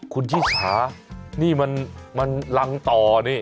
คุณชิสานี่มันรังต่อนี่